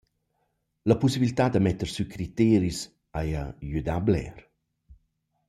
La pussibiltà da metter sü criteris, haja güdà bler.